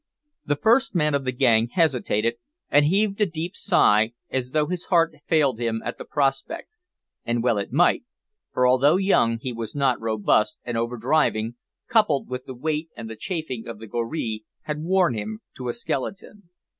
The first man of the gang hesitated and heaved a deep sigh as though his heart failed him at the prospect and well it might, for, although young, he was not robust, and over driving, coupled with the weight and the chafing of the goree, had worn him to a skeleton.